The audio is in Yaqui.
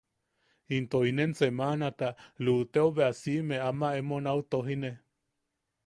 Into inen semanata luʼutepo bea siʼime ama emo nau tojine.